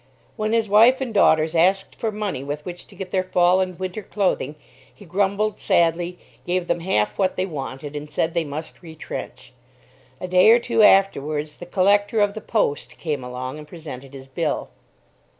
When his wife and daughters asked for money with which to get their fall and winter clothing, he grumbled sadly, gave them half what they wanted, and said they must retrench. A day or two afterwards, the collector of the "Post" came along and presented his bill.